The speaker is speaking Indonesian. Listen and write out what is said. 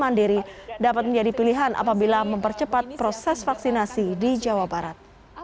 mandiri dapat menjadi pilihan apabila mempercepat proses vaksinasi di jawa barat